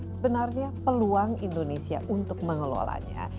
sebenarnya peluang indonesia untuk mengelolanya